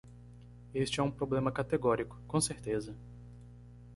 Este é um problema categórico, com certeza.